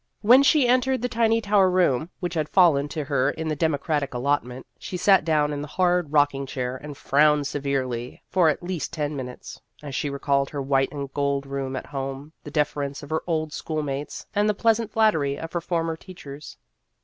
When she entered the tiny tower room, which had fallen to her in the democratic allotment, she sat down in the hard rocking chair, and frowned severely for at least ten minutes, as she recalled her white and gold room at home, the deference of her old school mates, and the pleasant flattery of her former teachers.